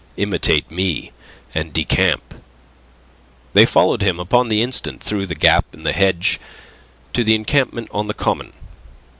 Imitate me, and decamp." They followed him upon the instant through that gap in the hedge to the encampment on the common.